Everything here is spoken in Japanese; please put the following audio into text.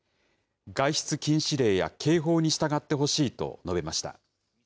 外出禁止令や警報に従ってほしいと述べました。